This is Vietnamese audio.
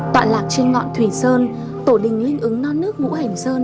tọa lạc trên ngọn thủy sơn tổ đình liên ứng non nước mũ hành sơn